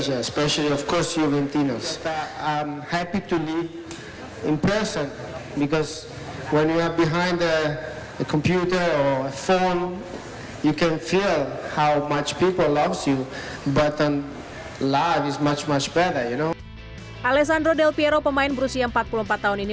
alessandro del piero pemain berusia empat puluh empat tahun ini